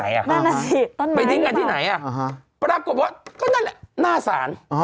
นั่นน่ะสิต้นไม้หรือป่าวไปดิ้งกันที่ไหนปลากบวนก็นั่นหน้าศาล